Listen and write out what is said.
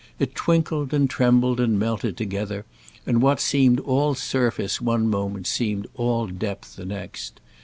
It twinkled and trembled and melted together, and what seemed all surface one moment seemed all depth the next.